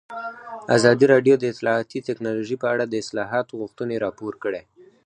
ازادي راډیو د اطلاعاتی تکنالوژي په اړه د اصلاحاتو غوښتنې راپور کړې.